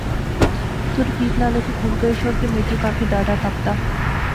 تو رفیق لالے کی فون کری شوڑ کہ میں کی کافی ڈاھڈا تپ دا